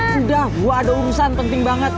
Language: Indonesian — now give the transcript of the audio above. sudah gue ada urusan penting banget